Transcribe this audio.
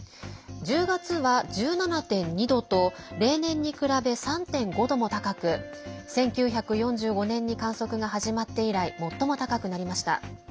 １０月は１７．２度と例年に比べ３．５度も高く１９４５年に観測が始まって以来最も高くなりました。